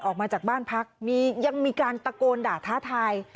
ออกมาจากบ้านพักยังมีการตะโกนด่าท้าทาย